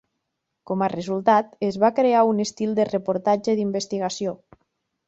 Com a resultat, es va crear un estil de reportatge d'investigació.